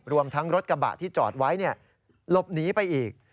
รวมทั้งรถกระบะที่จอดไว้หลบหนีไปอีก